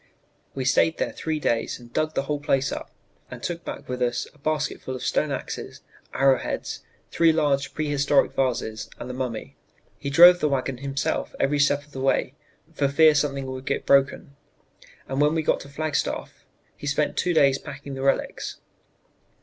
We stayed there three days and dug the whole place up and took back with us a basket full of stone axes, arrow heads, three large prehistoric vases, and the mummy. He drove the wagon himself every step of the way, for fear something would get broken, and when we got to Flagstaff he spent two days packing the relics."